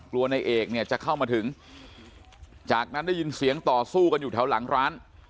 ในเอกเนี่ยจะเข้ามาถึงจากนั้นได้ยินเสียงต่อสู้กันอยู่แถวหลังร้าน